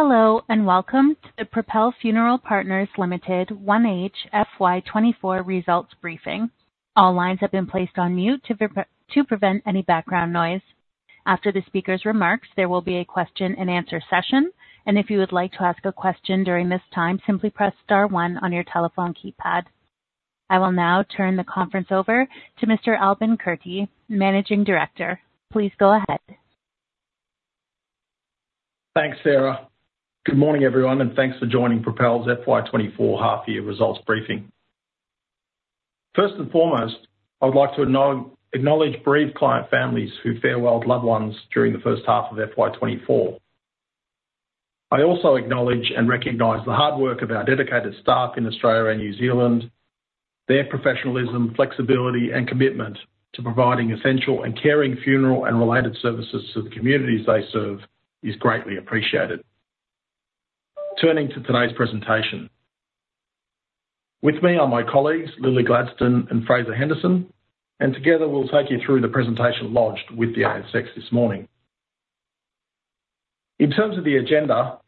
Hello and welcome to the Propel Funeral Partners Limited 1H FY24 results briefing. All lines have been placed on mute to prevent any background noise. After the speaker's remarks, there will be a question-and-answer session, and if you would like to ask a question during this time, simply press star one on your telephone keypad. I will now turn the conference over to Mr. Albin Kurti, Managing Director. Please go ahead. Thanks, Sarah. Good morning, everyone, and thanks for joining Propel's FY24 half-year results briefing. First and foremost, I would like to acknowledge bereaved client families who farewelled loved ones during the first half of FY24. I also acknowledge and recognize the hard work of our dedicated staff in Australia and New Zealand. Their professionalism, flexibility, and commitment to providing essential and caring funeral and related services to the communities they serve is greatly appreciated. Turning to today's presentation. With me are my colleagues, Lilli Gladstone and Fraser Henderson, and together we'll take you through the presentation lodged with the ASX this morning. In terms of the agenda,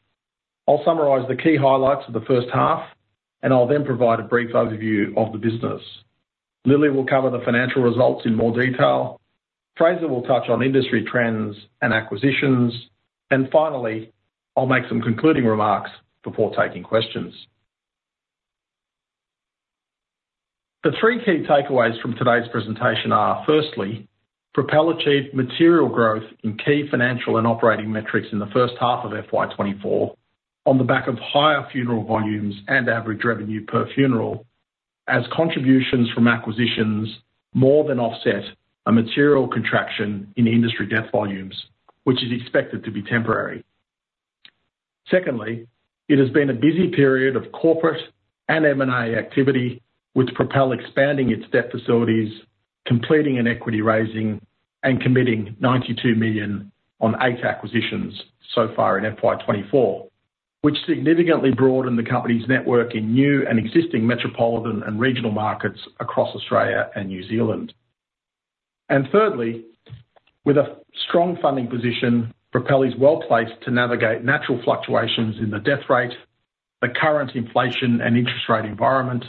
I'll summarize the key highlights of the first half, and I'll then provide a brief overview of the business. Lilli will cover the financial results in more detail, Fraser will touch on industry trends and acquisitions, and finally, I'll make some concluding remarks before taking questions. The three key takeaways from today's presentation are, firstly, Propel achieved material growth in key financial and operating metrics in the first half of FY24 on the back of higher funeral volumes and average revenue per funeral, as contributions from acquisitions more than offset a material contraction in industry death volumes, which is expected to be temporary. Secondly, it has been a busy period of corporate and M&A activity, with Propel expanding its debt facilities, completing an equity raising, and committing 92 million on eight acquisitions so far in FY24, which significantly broadened the company's network in new and existing metropolitan and regional markets across Australia and New Zealand. And thirdly, with a strong funding position, Propel is well placed to navigate natural fluctuations in the death rate, the current inflation and interest rate environment,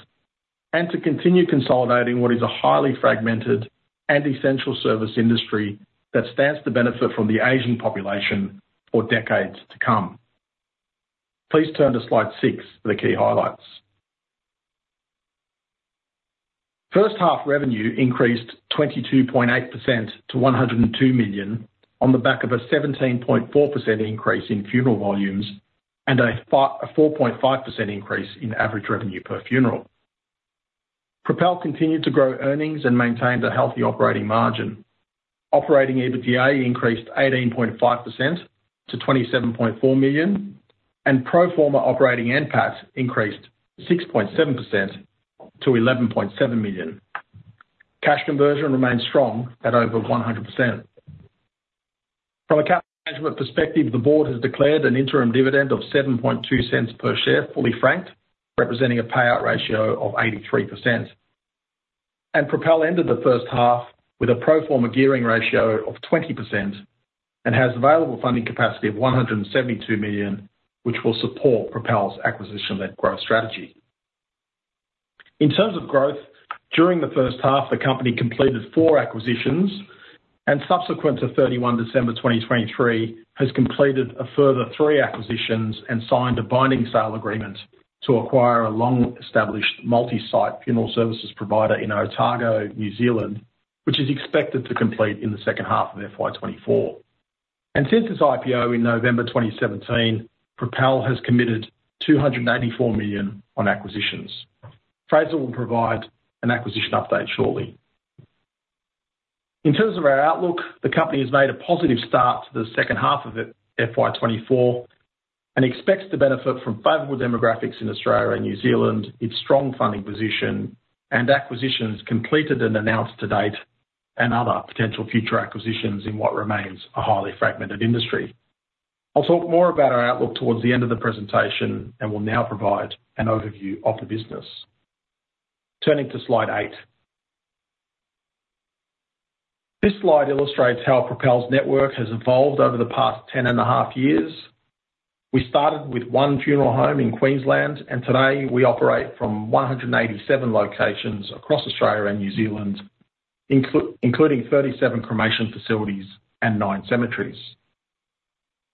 and to continue consolidating what is a highly fragmented and essential service industry that stands to benefit from the aging population for decades to come. Please turn to slide six for the key highlights. First half revenue increased 22.8% to 102 million on the back of a 17.4% increase in funeral volumes and a 4.5% increase in average revenue per funeral. Propel continued to grow earnings and maintained a healthy operating margin. Operating EBITDA increased 18.5% to 27.4 million, and pro forma operating NPAT increased 6.7% to 11.7 million. Cash conversion remained strong at over 100%. From a capital management perspective, the Board has declared an interim dividend of 0.072 per share fully franked, representing a payout ratio of 83%. Propel ended the first half with a pro forma gearing ratio of 20% and has available funding capacity of 172 million, which will support Propel's acquisition-led growth strategy. In terms of growth, during the first half, the company completed four acquisitions, and subsequent to 31 December 2023, has completed a further three acquisitions and signed a binding sale agreement to acquire a long-established multi-site funeral services provider in Otago, New Zealand, which is expected to complete in the second half of FY24. Since its IPO in November 2017, Propel has committed 284 million on acquisitions. Fraser will provide an acquisition update shortly. In terms of our outlook, the company has made a positive start to the second half of FY24 and expects to benefit from favorable demographics in Australia and New Zealand, its strong funding position, and acquisitions completed and announced to date, and other potential future acquisitions in what remains a highly fragmented industry. I'll talk more about our outlook towards the end of the presentation, and we'll now provide an overview of the business. Turning to slide eight. This slide illustrates how Propel's network has evolved over the past 10.5 years. We started with one funeral home in Queensland, and today we operate from 187 locations across Australia and New Zealand, including 37 cremation facilities and nine cemeteries.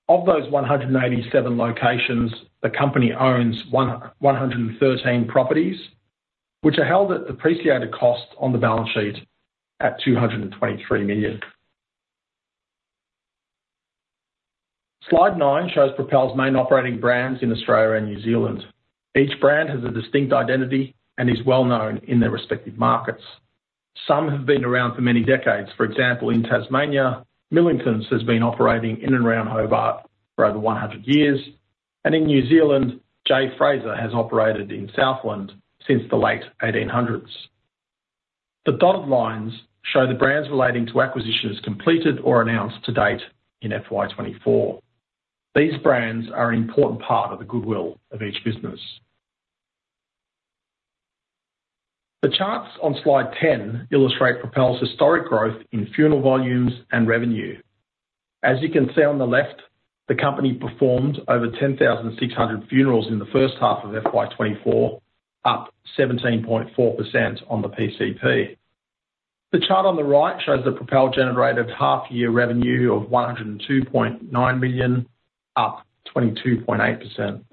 Of those 187 locations, the company owns 113 properties, which are held at depreciated cost on the balance sheet at 223 million. Slide nine shows Propel's main operating brands in Australia and New Zealand. Each brand has a distinct identity and is well known in their respective markets. Some have been around for many decades. For example, in Tasmania, Millingtons has been operating in and around Hobart for over 100 years, and in New Zealand, J. Fraser has operated in Southland since the late 1800s. The dotted lines show the brands relating to acquisitions completed or announced to date in FY24. These brands are an important part of the goodwill of each business. The charts on slide 10 illustrate Propel's historic growth in funeral volumes and revenue. As you can see on the left, the company performed over 10,600 funerals in the first half of FY24, up 17.4% on the PCP. The chart on the right shows that Propel generated half-year revenue of 102.9 million, up 22.8%.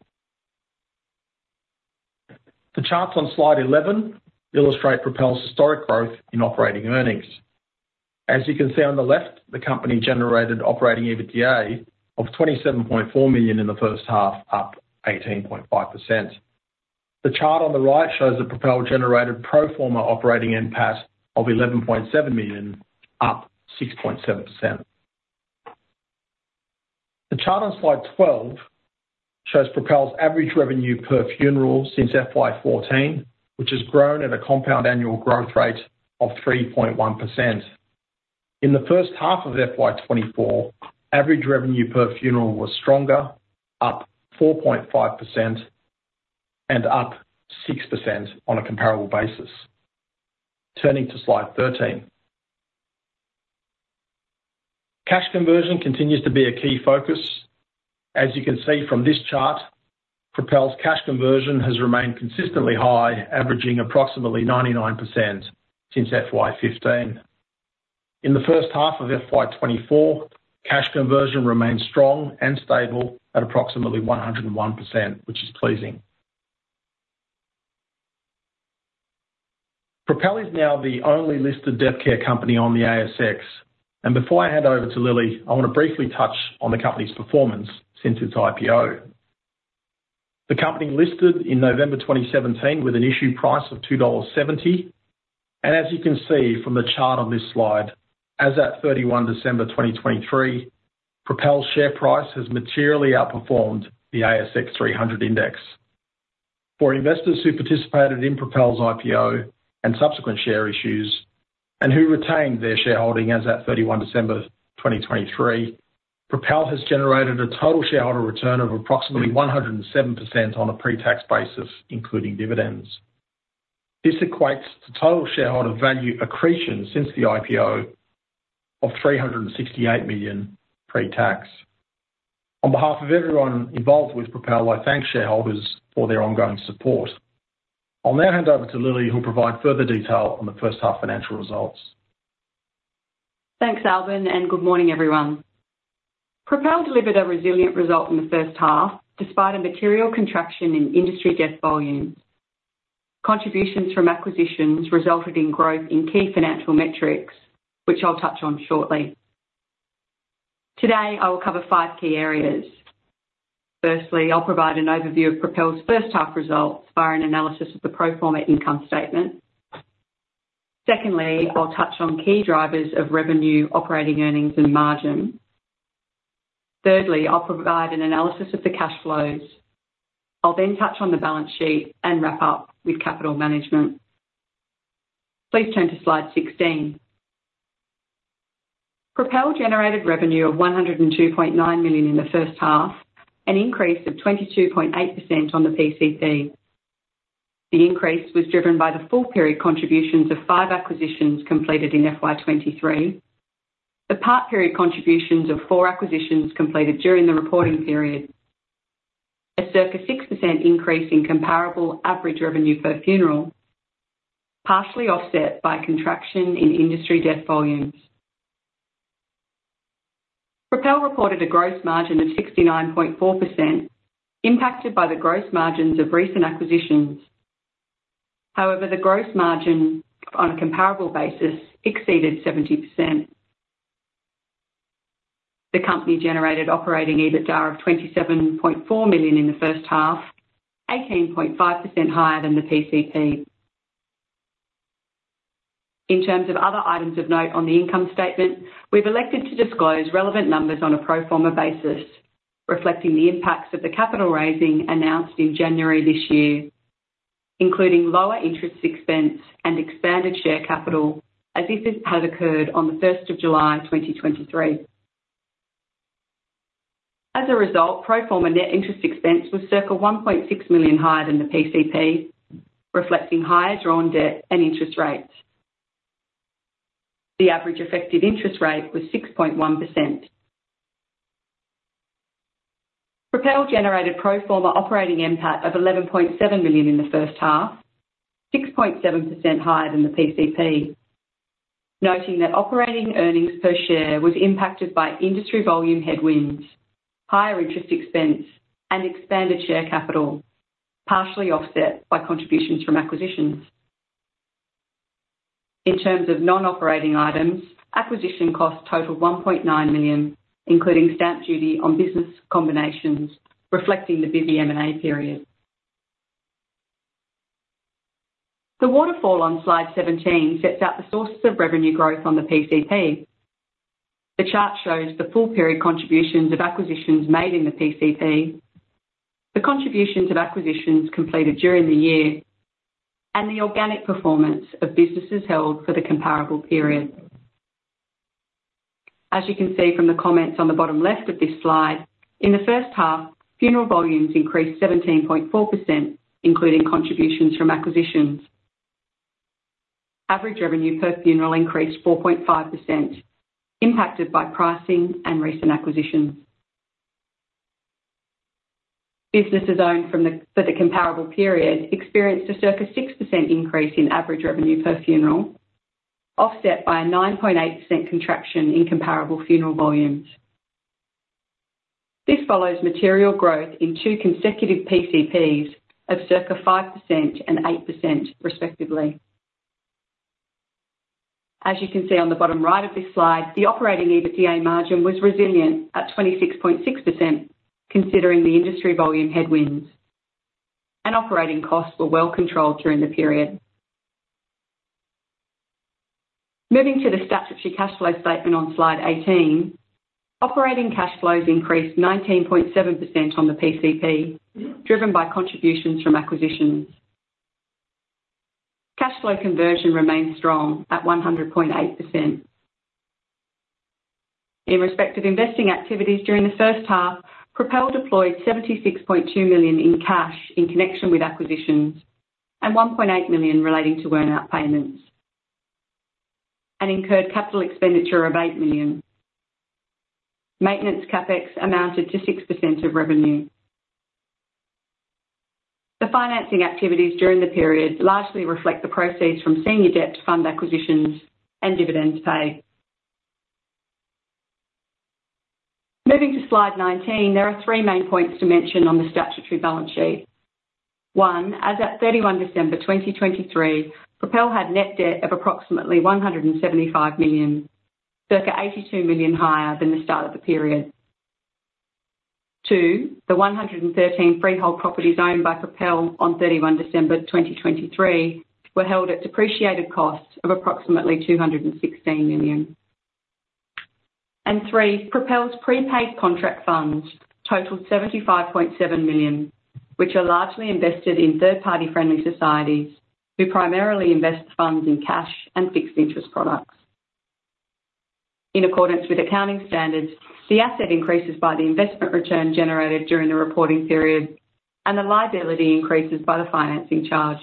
The charts on slide 11 illustrate Propel's historic growth in operating earnings. As you can see on the left, the company generated operating EBITDA of 27.4 million in the first half, up 18.5%. The chart on the right shows that Propel generated pro forma operating NPAT of 11.7 million, up 6.7%. The chart on slide 12 shows Propel's average revenue per funeral since FY14, which has grown at a compound annual growth rate of 3.1%. In the first half of FY24, average revenue per funeral was stronger, up 4.5% and up 6% on a comparable basis. Turning to slide 13. Cash conversion continues to be a key focus. As you can see from this chart, Propel's cash conversion has remained consistently high, averaging approximately 99% since FY15. In the first half of FY24, cash conversion remained strong and stable at approximately 101%, which is pleasing. Propel is now the only listed death care company on the ASX, and before I hand over to Lilli, I want to briefly touch on the company's performance since its IPO. The company listed in November 2017 with an issue price of 2.70, and as you can see from the chart on this slide, as of 31 December 2023, Propel's share price has materially outperformed the ASX 300 index. For investors who participated in Propel's IPO and subsequent share issues, and who retained their shareholding as of 31 December 2023, Propel has generated a total shareholder return of approximately 107% on a pre-tax basis, including dividends. This equates to total shareholder value accretion since the IPO of 368 million pre-tax. On behalf of everyone involved with Propel, I thank shareholders for their ongoing support. I'll now hand over to Lilli, who'll provide further detail on the first half financial results. Thanks, Albin, and good morning, everyone. Propel delivered a resilient result in the first half despite a material contraction in industry death volumes. Contributions from acquisitions resulted in growth in key financial metrics, which I'll touch on shortly. Today, I will cover five key areas. Firstly, I'll provide an overview of Propel's first half results via an analysis of the pro forma income statement. Secondly, I'll touch on key drivers of revenue, operating earnings, and margin. Thirdly, I'll provide an analysis of the cash flows. I'll then touch on the balance sheet and wrap up with capital management. Please turn to slide 16. Propel generated revenue of 102.9 million in the first half, an increase of 22.8% on the PCP. The increase was driven by the full-period contributions of five acquisitions completed in FY2023, the part-period contributions of four acquisitions completed during the reporting period, a circa 6% increase in comparable average revenue per funeral, partially offset by contraction in industry death volumes. Propel reported a gross margin of 69.4% impacted by the gross margins of recent acquisitions. However, the gross margin on a comparable basis exceeded 70%. The company generated operating EBITDA of 27.4 million in the first half, 18.5% higher than the PCP. In terms of other items of note on the income statement, we've elected to disclose relevant numbers on a pro forma basis, reflecting the impacts of the capital raising announced in January this year, including lower interest expense and expanded share capital as this has occurred on the 1st of July 2023. As a result, pro forma net interest expense was circa 1.6 million higher than the PCP, reflecting higher drawn debt and interest rates. The average effective interest rate was 6.1%. Propel generated pro forma operating NPAT of 11.7 million in the first half, 6.7% higher than the PCP, noting that operating earnings per share was impacted by industry volume headwinds, higher interest expense, and expanded share capital, partially offset by contributions from acquisitions. In terms of non-operating items, acquisition costs totaled 1.9 million, including stamp duty on business combinations, reflecting the busy M&A period. The waterfall on slide 17 sets out the sources of revenue growth on the PCP. The chart shows the full-period contributions of acquisitions made in the PCP, the contributions of acquisitions completed during the year, and the organic performance of businesses held for the comparable period. As you can see from the comments on the bottom left of this slide, in the first half, funeral volumes increased 17.4%, including contributions from acquisitions. Average revenue per funeral increased 4.5%, impacted by pricing and recent acquisitions. Businesses owned for the comparable period experienced a circa 6% increase in average revenue per funeral, offset by a 9.8% contraction in comparable funeral volumes. This follows material growth in two consecutive PCPs of circa 5% and 8%, respectively. As you can see on the bottom right of this slide, the operating EBITDA margin was resilient at 26.6%, considering the industry volume headwinds, and operating costs were well controlled during the period. Moving to the statutory cash flow statement on slide 18, operating cash flows increased 19.7% on the PCP, driven by contributions from acquisitions. Cash flow conversion remained strong at 100.8%. In respective investing activities during the first half, Propel deployed 76.2 million in cash in connection with acquisitions and 1.8 million relating to earn-out payments, and incurred capital expenditure of 8 million. Maintenance CapEx amounted to 6% of revenue. The financing activities during the period largely reflect the proceeds from senior debt to fund acquisitions and dividends paid. Moving to slide 19, there are three main points to mention on the statutory balance sheet. One, as of 31 December 2023, Propel had net debt of approximately 175 million, circa 82 million higher than the start of the period. Two, the 113 freehold properties owned by Propel on 31 December 2023 were held at depreciated costs of approximately 216 million. And three, Propel's prepaid contract funds totaled 75.7 million, which are largely invested in third-party friendly societies who primarily invest funds in cash and fixed interest products. In accordance with accounting standards, the asset increases by the investment return generated during the reporting period, and the liability increases by the financing charge.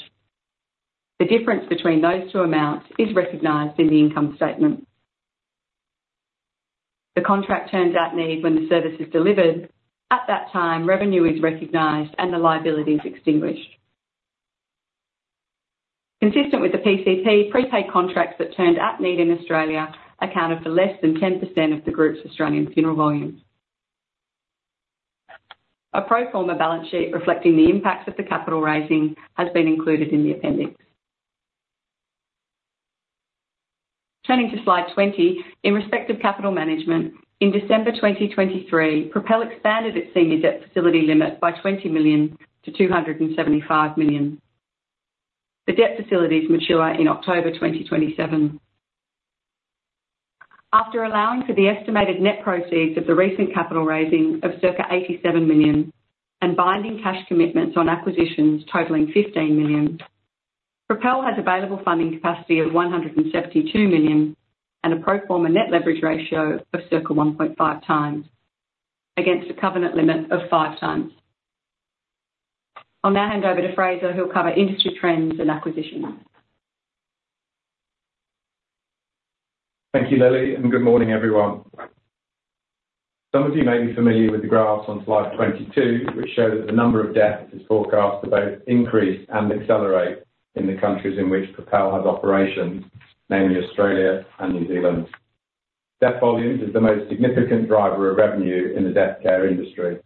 The difference between those two amounts is recognized in the income statement. The contract turns at need when the service is delivered. At that time, revenue is recognized, and the liability is extinguished. Consistent with the PCP, prepaid contracts that turned at need in Australia accounted for less than 10% of the group's Australian funeral volumes. A pro forma balance sheet reflecting the impacts of the capital raising has been included in the appendix. Turning to slide 20, in respective capital management, in December 2023, Propel expanded its senior debt facility limit by 20 million to 275 million. The debt facilities mature in October 2027. After allowing for the estimated net proceeds of the recent capital raising of circa 87 million and binding cash commitments on acquisitions totaling 15 million, Propel has available funding capacity of 172 million and a pro forma net leverage ratio of circa 1.5x against a covenant limit of 5x. I'll now hand over to Fraser. He'll cover industry trends and acquisitions. Thank you, Lilli, and good morning, everyone. Some of you may be familiar with the graphs on slide 22, which show that the number of deaths is forecast to both increase and accelerate in the countries in which Propel has operations, namely Australia and New Zealand. Death volumes are the most significant driver of revenue in the death care industry.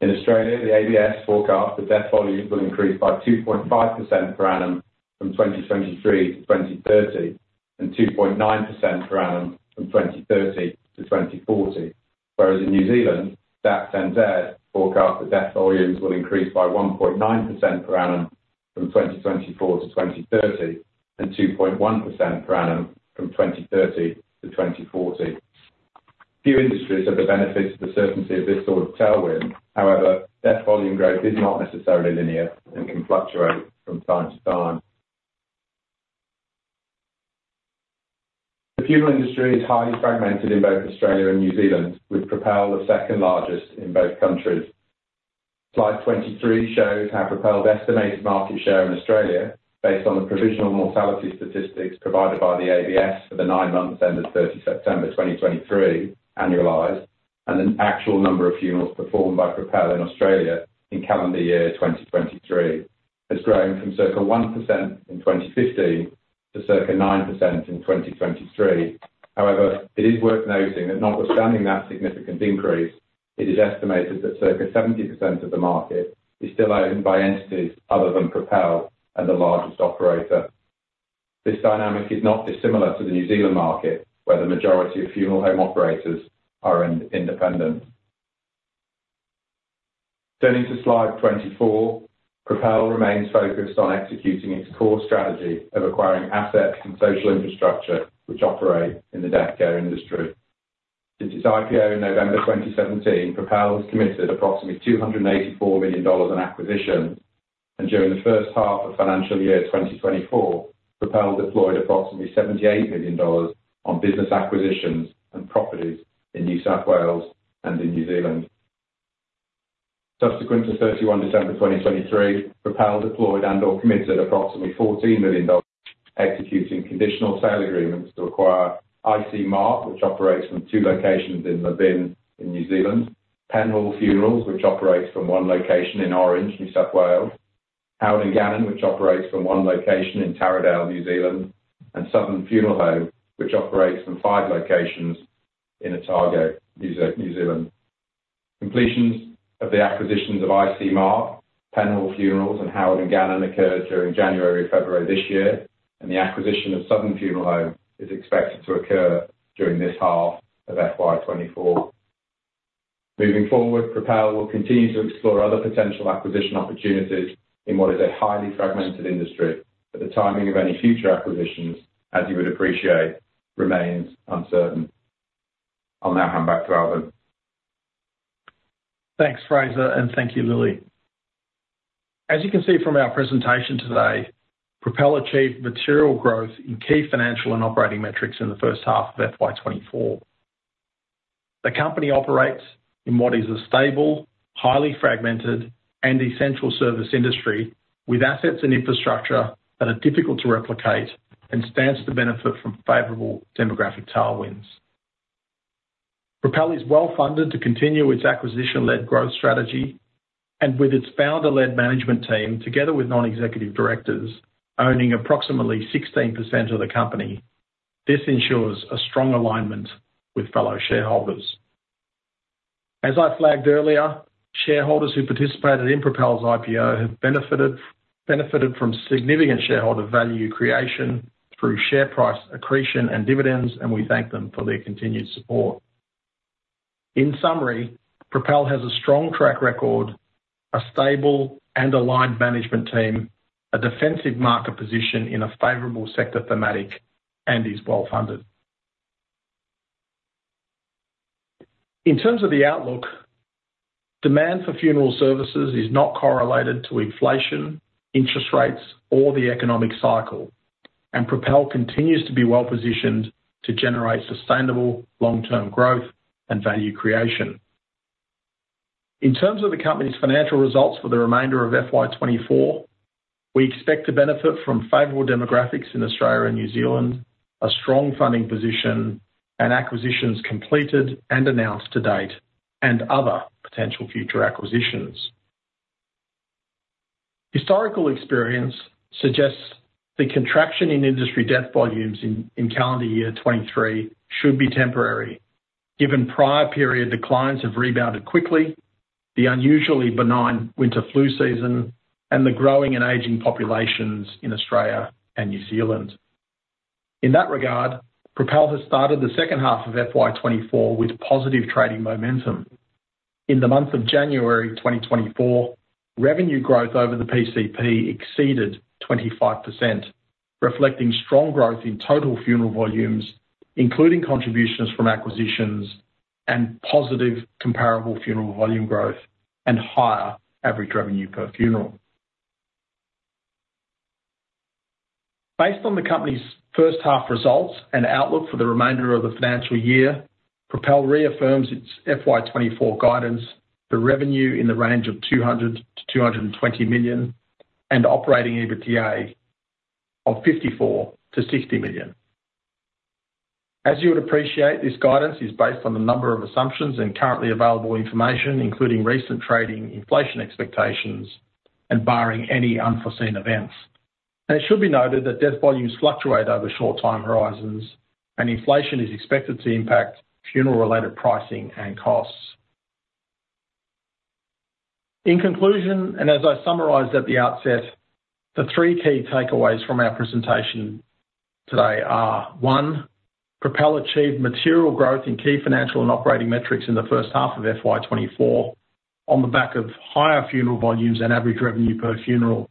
In Australia, the ABS forecasts that death volumes will increase by 2.5% per annum from 2023 to 2030 and 2.9% per annum from 2030 to 2040, whereas in New Zealand, Stats NZ forecast that death volumes will increase by 1.9% per annum from 2024 to 2030 and 2.1% per annum from 2030 to 2040. Few industries have the benefits of the certainty of this sort of tailwind. However, death volume growth is not necessarily linear and can fluctuate from time to time. The funeral industry is highly fragmented in both Australia and New Zealand, with Propel the second largest in both countries. Slide 23 shows how Propel's estimated market share in Australia, based on the provisional mortality statistics provided by the ABS for the nine months end of 30 September 2023, annualized, and the actual number of funerals performed by Propel in Australia in calendar year 2023, has grown from circa 1% in 2015 to circa 9% in 2023. However, it is worth noting that notwithstanding that significant increase, it is estimated that circa 70% of the market is still owned by entities other than Propel and the largest operator. This dynamic is not dissimilar to the New Zealand market, where the majority of funeral home operators are independent. Turning to slide 24, Propel remains focused on executing its core strategy of acquiring assets and social infrastructure which operate in the death care industry. Since its IPO in November 2017, Propel has committed approximately $284 million in acquisitions, and during the first half of financial year 2024, Propel deployed approximately $78 million on business acquisitions and properties in New South Wales and in New Zealand. Subsequent to 31 December 2023, Propel deployed and/or committed approximately $14 million, executing conditional sale agreements to acquire I.C. Mark, which operates from two locations in Levin in New Zealand, Penhall Funerals, which operates from one location in Orange, New South Wales, Howard and Gannon, which operates from one location in Taradale, New Zealand, and Southern Funeral Home, which operates from five locations in Otago, New Zealand. Completions of the acquisitions of I.C. Mark, Penhall Funerals, and Howard and Gannon occurred during January and February this year, and the acquisition of Southern Funeral Home is expected to occur during this half of FY24. Moving forward, Propel will continue to explore other potential acquisition opportunities in what is a highly fragmented industry, but the timing of any future acquisitions, as you would appreciate, remains uncertain. I'll now hand back to Albin. Thanks, Fraser, and thank you, Lilli. As you can see from our presentation today, Propel achieved material growth in key financial and operating metrics in the first half of FY24. The company operates in what is a stable, highly fragmented, and essential service industry with assets and infrastructure that are difficult to replicate and stands to benefit from favorable demographic tailwinds. Propel is well funded to continue its acquisition-led growth strategy and with its founder-led management team, together with non-executive directors, owning approximately 16% of the company. This ensures a strong alignment with fellow shareholders. As I flagged earlier, shareholders who participated in Propel's IPO have benefited from significant shareholder value creation through share price accretion and dividends, and we thank them for their continued support. In summary, Propel has a strong track record, a stable and aligned management team, a defensive market position in a favorable sector thematic, and is well funded. In terms of the outlook, demand for funeral services is not correlated to inflation, interest rates, or the economic cycle, and Propel continues to be well positioned to generate sustainable long-term growth and value creation. In terms of the company's financial results for the remainder of FY24, we expect to benefit from favorable demographics in Australia and New Zealand, a strong funding position and acquisitions completed and announced to date, and other potential future acquisitions. Historical experience suggests the contraction in industry death volumes in calendar year 2023 should be temporary, given prior period declines have rebounded quickly, the unusually benign winter flu season, and the growing and aging populations in Australia and New Zealand. In that regard, Propel has started the second half of FY24 with positive trading momentum. In the month of January 2024, revenue growth over the PCP exceeded 25%, reflecting strong growth in total funeral volumes, including contributions from acquisitions and positive comparable funeral volume growth and higher average revenue per funeral. Based on the company's first half results and outlook for the remainder of the financial year, Propel reaffirms its FY24 guidance for revenue in the range of 200 million-220 million and operating EBITDA of 54 million-60 million. As you would appreciate, this guidance is based on the number of assumptions and currently available information, including recent trading inflation expectations and barring any unforeseen events. It should be noted that death volumes fluctuate over short-time horizons, and inflation is expected to impact funeral-related pricing and costs. In conclusion, and as I summarized at the outset, the three key takeaways from our presentation today are: one, Propel achieved material growth in key financial and operating metrics in the first half of FY24 on the back of higher funeral volumes and average revenue per funeral,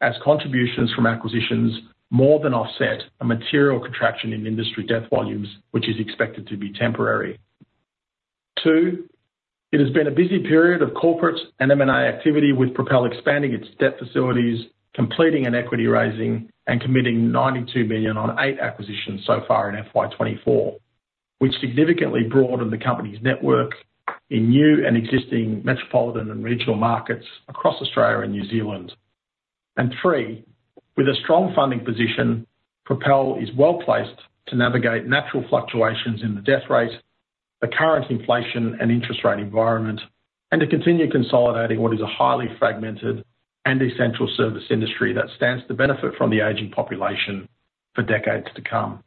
as contributions from acquisitions more than offset a material contraction in industry death volumes, which is expected to be temporary. Two, it has been a busy period of corporate and M&A activity, with Propel expanding its debt facilities, completing an equity raising, and committing 92 million on eight acquisitions so far in FY24, which significantly broadened the company's network in new and existing metropolitan and regional markets across Australia and New Zealand. And three, with a strong funding position, Propel is well placed to navigate natural fluctuations in the death rate, the current inflation and interest rate environment, and to continue consolidating what is a highly fragmented and essential service industry that stands to benefit from the aging population for decades to come.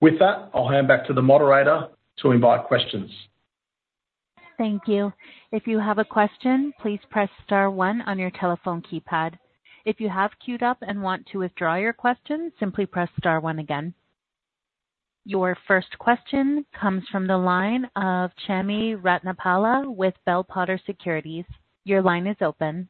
With that, I'll hand back to the moderator to invite questions. Thank you. If you have a question, please press star one on your telephone keypad. If you have queued up and want to withdraw your question, simply press star one again. Your first question comes from the line of Chami Ratnapala with Bell Potter Securities. Your line is open.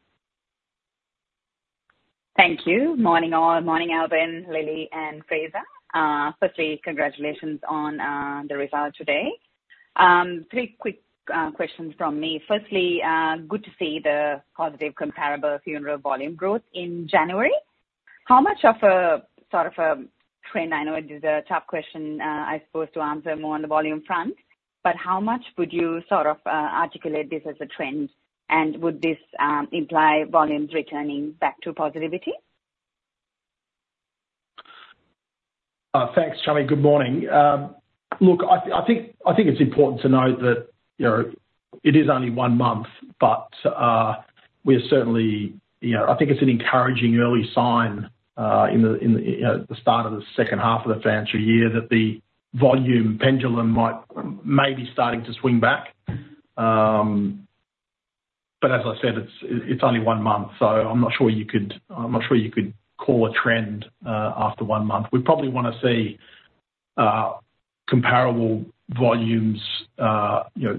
Thank you. Morning all. Morning Albin, Lilli, and Fraser. Firstly, congratulations on the result today. Three quick questions from me. Firstly, good to see the positive comparable funeral volume growth in January. How much of a sort of a trend? I know it is a tough question, I suppose, to answer more on the volume front, but how much would you sort of articulate this as a trend, and would this imply volumes returning back to positivity? Thanks, Chami. Good morning. Look, I think it's important to note that it is only one month, but we are certainly I think it's an encouraging early sign in the start of the second half of the financial year that the volume pendulum might be starting to swing back. But as I said, it's only one month, so I'm not sure you could call a trend after one month. We probably want to see comparable volumes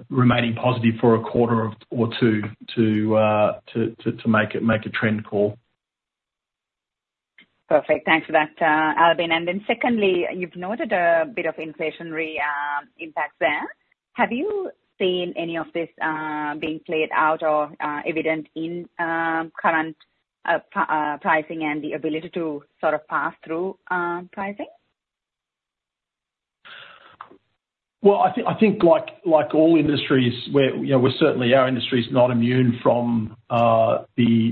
remaining positive for a quarter or two to make a trend call. Perfect. Thanks for that, Albin. And then secondly, you've noted a bit of inflationary impact there. Have you seen any of this being played out or evident in current pricing and the ability to sort of pass through pricing? Well, I think like all industries, we're certainly our industry's not immune from the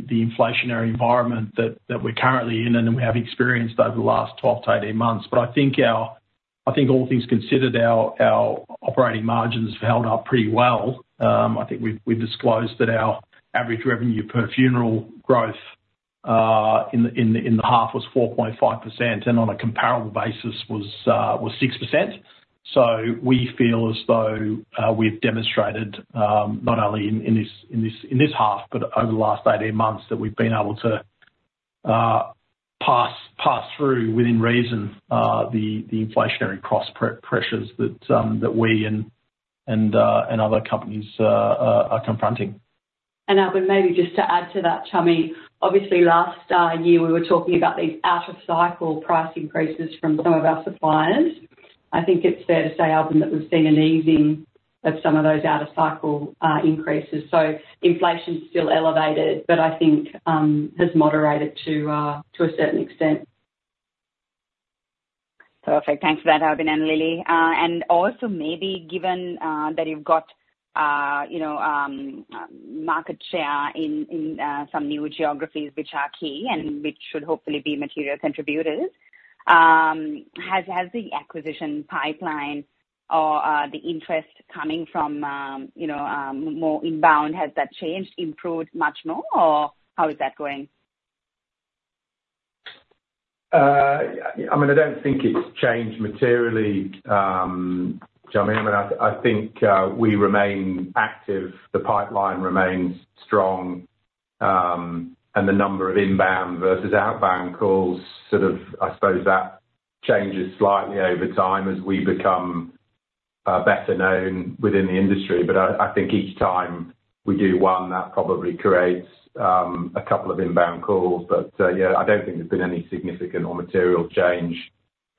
inflationary environment that we're currently in and that we have experienced over the last 12-18 months. But I think all things considered, our operating margins have held up pretty well. I think we've disclosed that our average revenue per funeral growth in the half was 4.5% and on a comparable basis was 6%. So we feel as though we've demonstrated, not only in this half but over the last 18 months, that we've been able to pass through within reason the inflationary cross pressures that we and other companies are confronting. Albin, maybe just to add to that, Chami, obviously, last year we were talking about these out-of-cycle price increases from some of our suppliers. I think it's fair to say, Albin, that we've seen an easing of some of those out-of-cycle increases. So inflation's still elevated, but I think has moderated to a certain extent. Perfect. Thanks for that, Albin, and Lilli. Also, maybe given that you've got market share in some newer geographies, which are key and which should hopefully be material contributors, has the acquisition pipeline or the interest coming from more inbound, has that changed, improved much more, or how is that going? I mean, I don't think it's changed materially, Chami. I mean, I think we remain active. The pipeline remains strong, and the number of inbound versus outbound calls sort of I suppose that changes slightly over time as we become better known within the industry. But I think each time we do one, that probably creates a couple of inbound calls. But yeah, I don't think there's been any significant or material change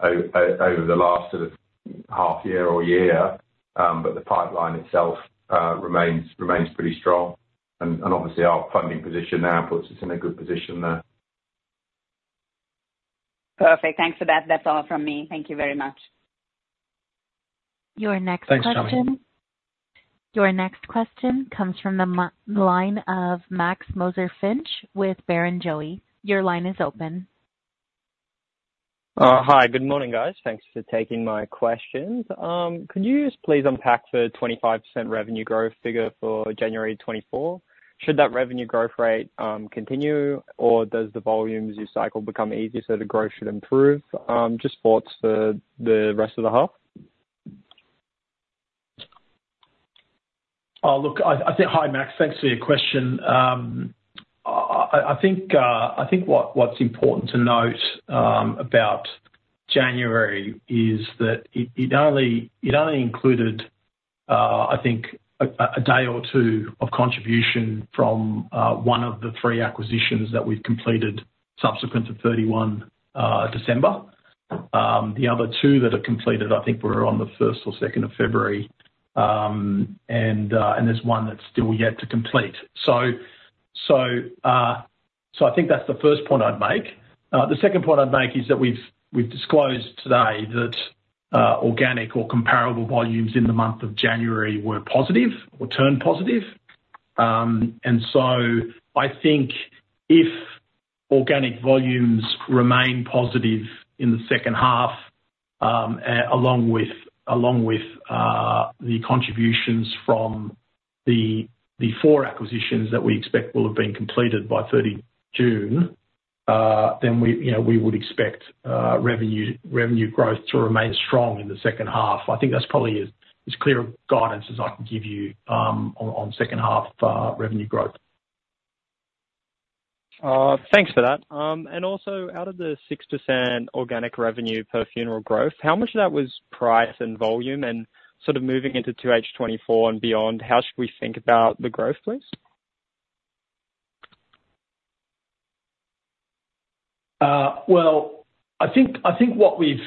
over the last sort of half-year or year, but the pipeline itself remains pretty strong. And obviously, our funding position now puts us in a good position there. Perfect. Thanks for that. That's all from me. Thank you very much. Your next question. Thanks, Chami. Your next question comes from the line of Max Vick with Barrenjoey. Your line is open. Hi. Good morning, guys. Thanks for taking my questions. Could you just please unpack the 25% revenue growth figure for January 2024? Should that revenue growth rate continue, or does the volumes cycle become easier so the growth should improve? Just thoughts for the rest of the half. Look, I think. Hi, Max. Thanks for your question. I think what's important to note about January is that it only included, I think, a day or two of contribution from one of the three acquisitions that we've completed subsequent to 31 December. The other two that are completed, I think were on the 1st or 2nd of February, and there's one that's still yet to complete. So I think that's the first point I'd make. The second point I'd make is that we've disclosed today that organic or comparable volumes in the month of January were positive or turned positive. And so I think if organic volumes remain positive in the second half, along with the contributions from the four acquisitions that we expect will have been completed by 30 June, then we would expect revenue growth to remain strong in the second half. I think that's probably as clear a guidance as I can give you on second-half revenue growth. Thanks for that. And also, out of the 6% organic revenue per funeral growth, how much of that was price and volume? And sort of moving into 2H24 and beyond, how should we think about the growth, please? Well, I think what we've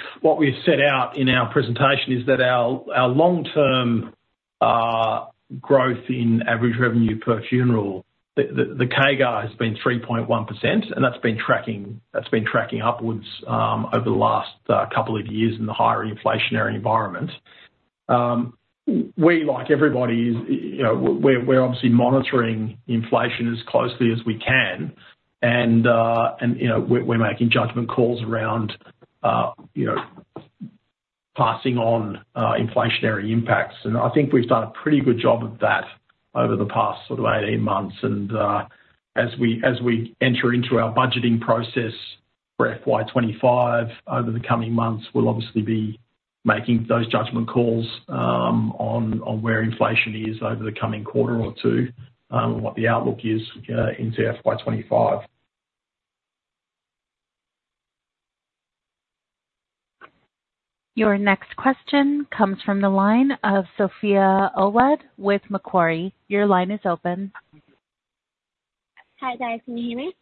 set out in our presentation is that our long-term growth in average revenue per funeral, the CAGR, has been 3.1%, and that's been tracking upwards over the last couple of years in the higher inflationary environment. We, like everybody, we're obviously monitoring inflation as closely as we can, and we're making judgment calls around passing on inflationary impacts. I think we've done a pretty good job of that over the past sort of 18 months. As we enter into our budgeting process for FY25 over the coming months, we'll obviously be making those judgment calls on where inflation is over the coming quarter or two and what the outlook is into FY25. Your next question comes from the line of Sophia Wade with Macquarie. Your line is open. Hi, guys. Can you hear me?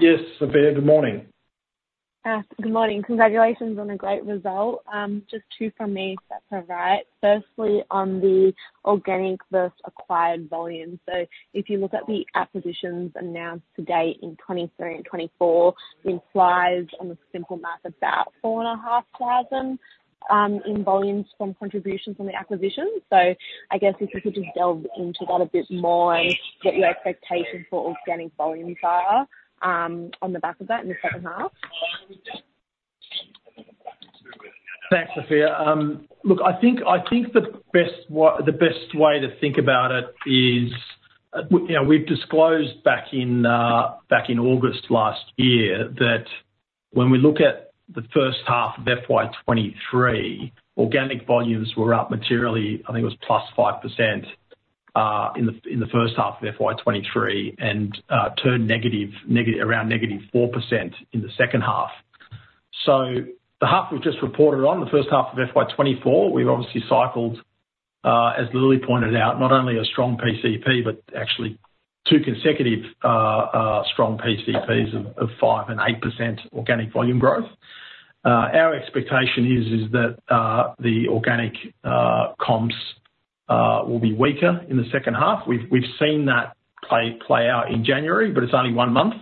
Yes, Sophia. Good morning. Good morning. Congratulations on a great result. Just two from me that provide. Firstly, on the organic versus acquired volumes. So if you look at the acquisitions announced to date in 2023 and 2024, it implies on a simple math about 4,500 in volumes from contributions on the acquisitions. So I guess if you could just delve into that a bit more and what your expectation for organic volumes are on the back of that in the second half. Thanks, Sophia. Look, I think the best way to think about it is we've disclosed back in August last year that when we look at the first half of FY23, organic volumes were up materially. I think it was +5% in the first half of FY23 and turned around -4% in the second half. So the half we've just reported on, the first half of FY24, we've obviously cycled, as Lilli pointed out, not only a strong PCP but actually two consecutive strong PCPs of 5% and 8% organic volume growth. Our expectation is that the organic comps will be weaker in the second half. We've seen that play out in January, but it's only one month,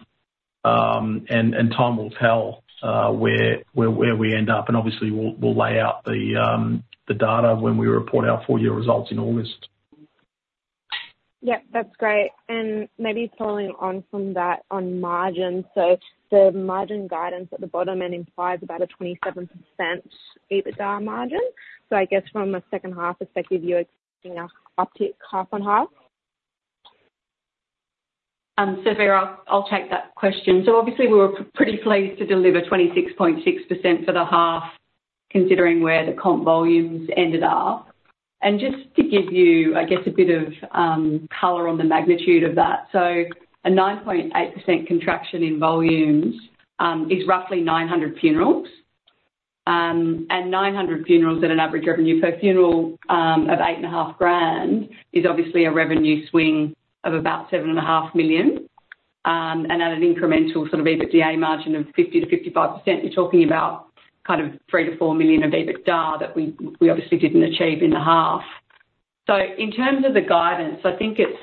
and time will tell where we end up. And obviously, we'll lay out the data when we report our full-year results in August. Yep. That's great. Maybe following on from that on margins. The margin guidance at the bottom then implies about a 27% EBITDA margin. I guess from a second-half perspective, you're expecting a half-on-half? Sophia, I'll take that question. So obviously, we were pretty pleased to deliver 26.6% for the half considering where the comp volumes ended up. And just to give you, I guess, a bit of color on the magnitude of that, so a 9.8% contraction in volumes is roughly 900 funerals. And 900 funerals at an average revenue per funeral of 8,500 is obviously a revenue swing of about 7.5 million. And at an incremental sort of EBITDA margin of 50%-55%, you're talking about kind of 3 million-4 million of EBITDA that we obviously didn't achieve in the half. So in terms of the guidance, I think it's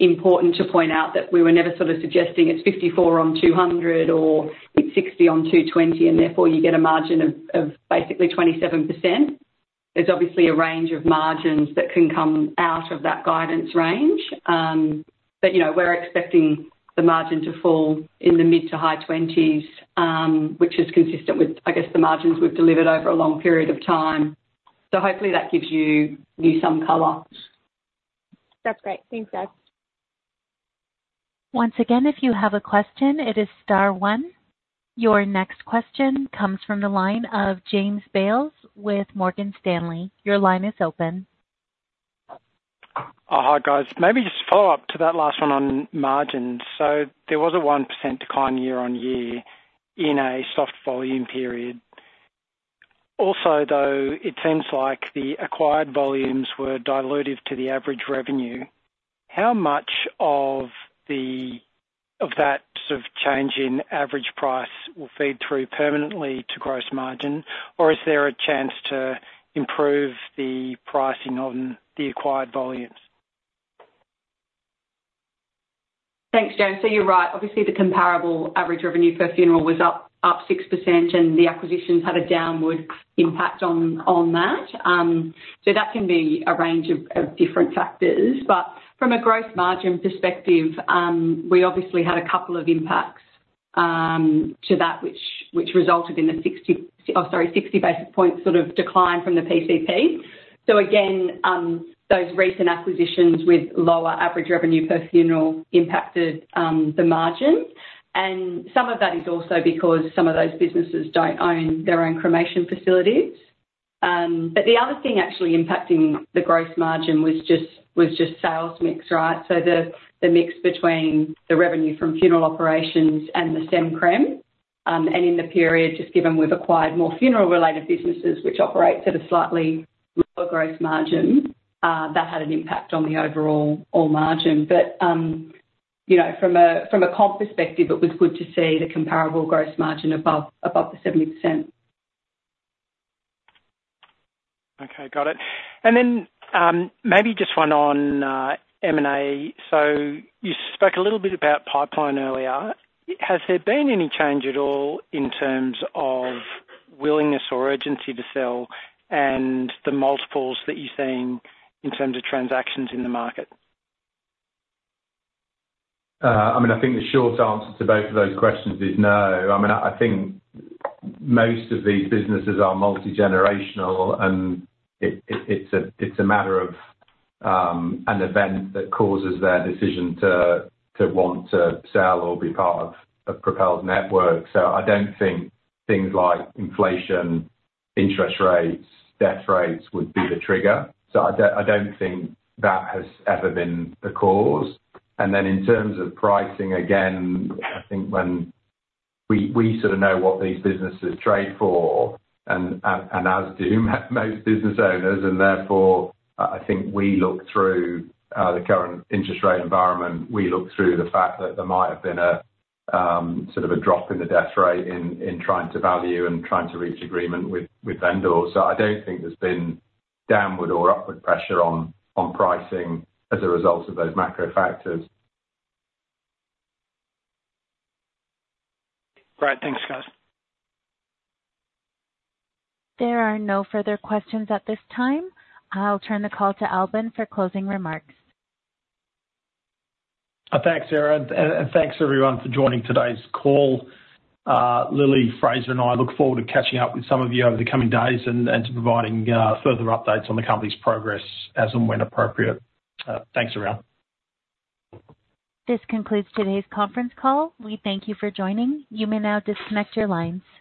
important to point out that we were never sort of suggesting it's 54 on 200 or it's 60 on 220, and therefore, you get a margin of basically 27%. There's obviously a range of margins that can come out of that guidance range. But we're expecting the margin to fall in the mid- to high-20s, which is consistent with, I guess, the margins we've delivered over a long period of time. So hopefully, that gives you some color. That's great. Thanks, guys. Once again, if you have a question, it is star one. Your next question comes from the line of James Bales with Morgan Stanley. Your line is open. Hi, guys. Maybe just a follow-up to that last one on margins. So there was a 1% decline year-on-year in a soft volume period. Also, though, it seems like the acquired volumes were dilutive to the average revenue. How much of that sort of change in average price will feed through permanently to gross margin, or is there a chance to improve the pricing on the acquired volumes? Thanks, Jon. So you're right. Obviously, the comparable average revenue per funeral was up 6%, and the acquisitions had a downward impact on that. So that can be a range of different factors. But from a gross margin perspective, we obviously had a couple of impacts to that, which resulted in a 60 oh, sorry, 60 basis point sort of decline from the PCP. So again, those recent acquisitions with lower average revenue per funeral impacted the margin. And some of that is also because some of those businesses don't own their own cremation facilities. But the other thing actually impacting the gross margin was just sales mix, right? So the mix between the revenue from funeral operations and the Cemeteries and Crematoria. And in the period, just given we've acquired more funeral-related businesses, which operate at a slightly lower gross margin, that had an impact on the overall margin. From a comp perspective, it was good to see the comparable gross margin above 70%. Okay. Got it. And then maybe just one on M&A. So you spoke a little bit about pipeline earlier. Has there been any change at all in terms of willingness or urgency to sell and the multiples that you're seeing in terms of transactions in the market? I mean, I think the short answer to both of those questions is no. I mean, I think most of these businesses are multi-generational, and it's a matter of an event that causes their decision to want to sell or be part of Propel's Network. So I don't think things like inflation, interest rates, death rates would be the trigger. So I don't think that has ever been the cause. And then in terms of pricing, again, I think when we sort of know what these businesses trade for, and as do most business owners, and therefore, I think we look through the current interest rate environment, we look through the fact that there might have been sort of a drop in the death rate in trying to value and trying to reach agreement with vendors. I don't think there's been downward or upward pressure on pricing as a result of those macro factors. Great. Thanks, guys. There are no further questions at this time. I'll turn the call to Albin for closing remarks. Thanks, Sarah. Thanks, everyone, for joining today's call. Lilli, Fraser, and I look forward to catching up with some of you over the coming days and to providing further updates on the company's progress as and when appropriate. Thanks, everyone. This concludes today's conference call. We thank you for joining. You may now disconnect your lines.